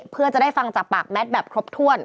เพื่อจะได้ฟังจากปากแมทแบบครบถ้วน